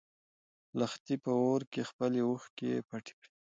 لښتې په اور کې خپلې اوښکې پټې کړې.